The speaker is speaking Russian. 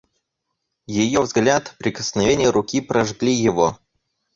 Ее взгляд, прикосновение руки прожгли его.